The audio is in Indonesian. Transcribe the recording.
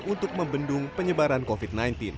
untuk membendung penyebaran covid sembilan belas